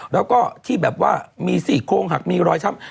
แล้วก็ที่แบบว่ามี๔๐๐หักมีรอยช้ำ